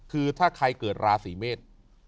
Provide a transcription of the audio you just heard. คือถ้าใครเกิดราศีเมษ